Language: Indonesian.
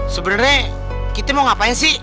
sebenarnya kita mau ngapain sih